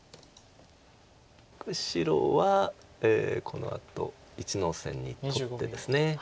白はこのあと１の線に取ってですね。